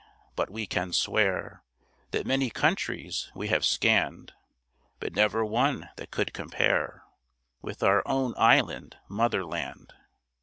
But we can swear, That many countries we have scanned, But never one that could compare With our own island mother land.